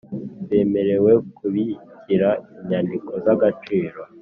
Bemerewe kubikira inyandiko z agaciro